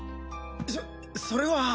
そそれは。